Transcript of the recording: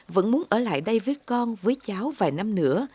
vẫn muốn ở lại đây với con với cháu vài năm nữa